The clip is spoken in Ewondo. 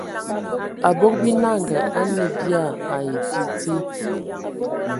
Abog binanga a nə bia ai mfi dze.